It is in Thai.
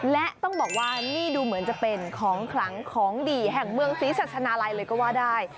และต้องบอกว่านี่ดูเหมือนจะเป็นของขลังของดีแห่งเมืองศรีสัชนาลัยเลยก็ว่าได้